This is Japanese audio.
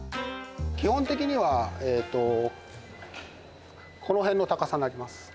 基本的にはええとこの辺の高さになります。